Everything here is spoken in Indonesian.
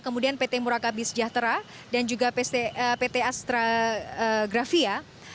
kemudian pt murakabi sejahtera dan juga pt astrografia